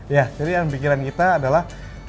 jadi yang di pikiran kita adalah